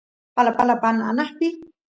palapala paan anaqpi